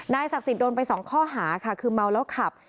นายศักดิ์ศิลป์โดนไป๒ข้อหาคือเมาแล้วขับ